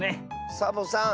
サボさん